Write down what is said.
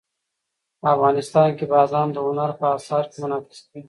افغانستان کې بادام د هنر په اثار کې منعکس کېږي.